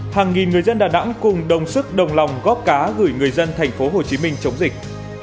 hàng nghìn người dân đà nẵng cùng đồng sức đồng lòng góp cá gửi người dân thành phố hồ chí minh chống dịch